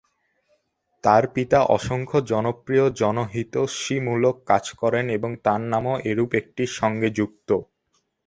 তাঁর পিতা অসংখ্য জনপ্রিয় জনহিতৈষীমূলক কাজ করেন এবং তাঁর নামও এরূপ একটির সঙ্গে যুক্ত।